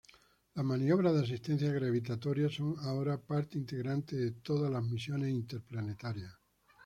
Las maniobras de asistencia gravitatoria son ahora parte integrante de todas las misiones interplanetarias.